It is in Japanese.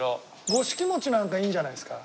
５色もちなんかいいんじゃないですか？